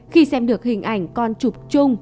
khi xem được hình ảnh con chụp chung